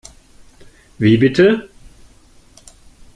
Wie bitte?